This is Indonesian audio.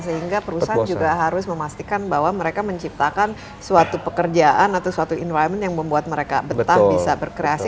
sehingga perusahaan juga harus memastikan bahwa mereka menciptakan suatu pekerjaan atau suatu environment yang membuat mereka betah bisa berkreasi